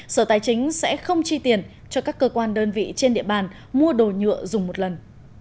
sở tài chính sẽ không chi tiền cho các cơ quan đơn vị trên địa bàn mua đồ nhựa dùng một lần